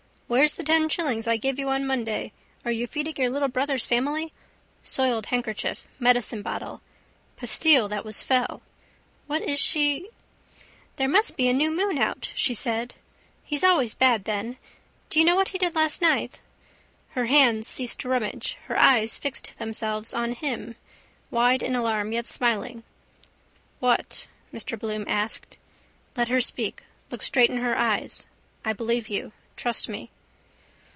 Where's the ten shillings I gave you on Monday? Are you feeding your little brother's family? Soiled handkerchief: medicinebottle. Pastille that was fell. What is she?... —There must be a new moon out, she said. He's always bad then. Do you know what he did last night? Her hand ceased to rummage. Her eyes fixed themselves on him, wide in alarm, yet smiling. —What? Mr Bloom asked. Let her speak. Look straight in her eyes. I believe you. Trust me.